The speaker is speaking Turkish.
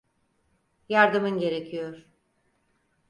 Yardımın gerekiyor.